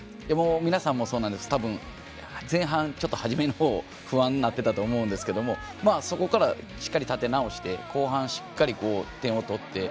皆さんもそうだと思うんですけど前半、初めのほう不安になっていたと思うんですけれどもそこからしっかり立て直して後半、しっかり点を取って。